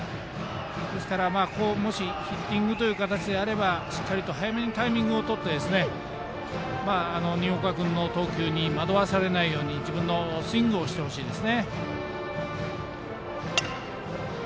ですから、もしヒッティングという形であればしっかりと早めにタイミングをとって新岡君の投球に惑わされないように自分のスイングをしてほしいです。